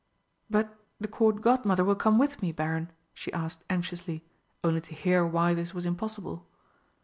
"But the Court Godmother will come with me, Baron?" she asked anxiously, only to hear why this was impossible.